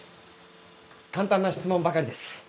簡単な質問ばかりです。